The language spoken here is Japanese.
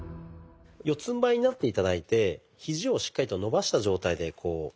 四つんばいになって頂いてひじをしっかりと伸ばした状態でこう。